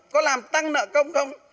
có làm tăng nợ công không